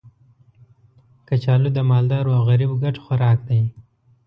کچالو د مالدارو او غریبو ګډ خوراک دی